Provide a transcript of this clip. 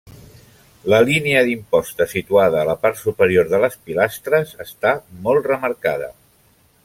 La línia d'imposta, situada a la part superior de les pilastres, està molt remarcada.